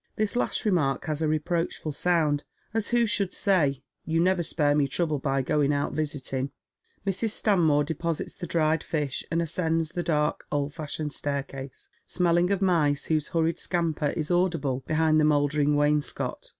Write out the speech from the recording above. This last remark has a reproachful sound, as wao should say •' You never spare me trouble by going out visit! 'g." ]\Irs. Stanmore deposits the dried fish, and ascends the dark, old fashioned staircase, smelling of mice, whose hurried scamper is audible behind the mouldering wainscot.